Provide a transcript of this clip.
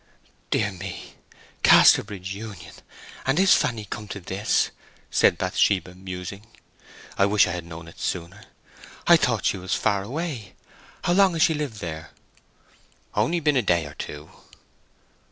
"Dear me—Casterbridge Union—and is Fanny come to this?" said Bathsheba, musing. "I wish I had known of it sooner. I thought she was far away. How long has she lived there?" "On'y been there a day or two."